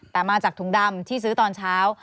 แต่มาจากถุงดำที่ซื้อตอนเช้า